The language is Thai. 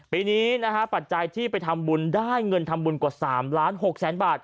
ปีนี้นะฮะปัจจัยที่ไปทำบุญได้เงินทำบุญกว่า๓ล้าน๖แสนบาท